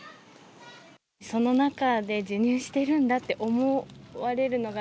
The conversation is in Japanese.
その中で授乳してるんだって思われるのが、